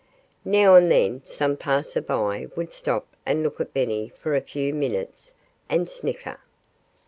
Now and then some passer by would stop and look at Benny for a few minutes, and snicker.